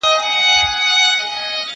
ته ولي کتاب ليکې!.